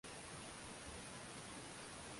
Jacob alimuona jamaa yule akiwa anakata roho